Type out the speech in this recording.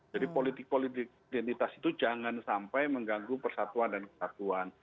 jadi politik politik identitas itu jangan sampai mengganggu persatuan dan kesatuan